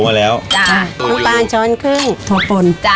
น้ำปลา๑ช้อนครึ่งโทบล